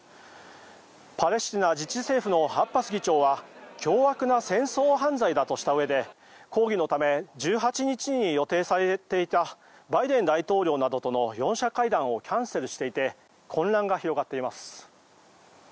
パレスチナ自治政府のアッバス議長は凶悪な戦争犯罪だとしたうえで抗議のため１８日に予定されていたバイデン大統領などとの４者会談をキャンセルしていて混乱が広がっています。